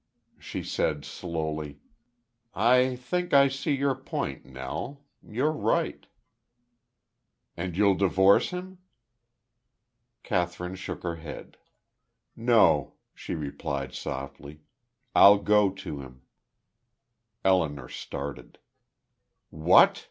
She said, slowly: "I think I see your point, Nell. You're right.' "And you'll divorce him?" Kathryn shook her head. "No," she replied softly, "I'll go to him." Elinor started. "What!"